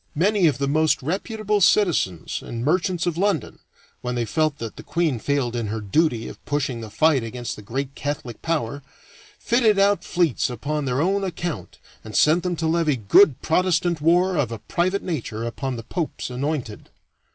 Many of the most reputable citizens and merchants of London, when they felt that the queen failed in her duty of pushing the fight against the great Catholic Power, fitted out fleets upon their own account and sent them to levy good Protestant war of a private nature upon the Pope's anointed.